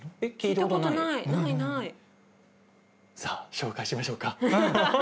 さあ紹介しましょうか。